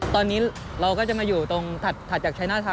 ตอนนี้เราก็จะมาอยู่ตรงถัดจากชัยหน้าทาง